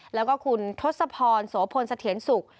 แล้วก็คุณทศพรสวพลสะเถียนสุก